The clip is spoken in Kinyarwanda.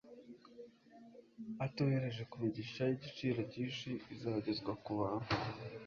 Atohereje ku migisha y'igiciro cyinshi izagezwa ku bantu,